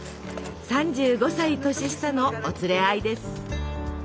３５歳年下のお連れ合いです。